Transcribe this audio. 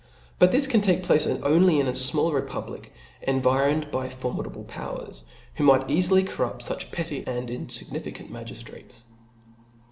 But this can take pl^ce only in ^^ a finall republic environed * by formidable pow erS) who might eafily corrupt fuch petty and in iignificant magiftrates.